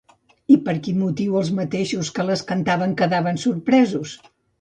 I per quin motiu els mateixos que les cantaven quedaven sorpresos?